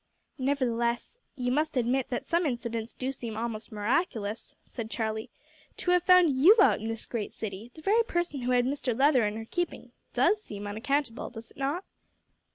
"Nevertheless you must admit that some incidents do seem almost miraculous," said Charlie. "To have found you out in this great city, the very person who had Mr Leather in her keeping, does seem unaccountable, does it not?"